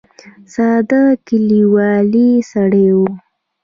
ساده کلیوالي سړی و.